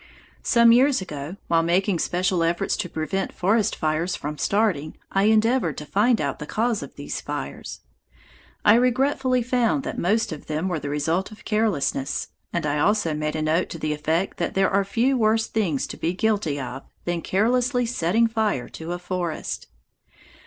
Some years ago, while making special efforts to prevent forest fires from starting, I endeavored to find out the cause of these fires. I regretfully found that most of them were the result of carelessness, and I also made a note to the effect that there are few worse things to be guilty of than carelessly setting fire to a forest.